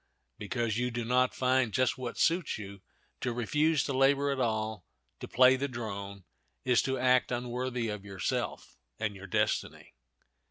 Because you do not find just what suits you, to refuse to labor at all, to play the drone, is to act unworthy of yourself and your destiny.